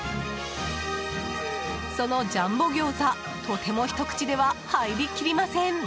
そのジャンボギョーザとてもひと口では入りきりません。